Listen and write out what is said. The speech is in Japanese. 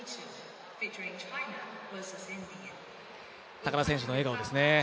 高田選手の笑顔ですね。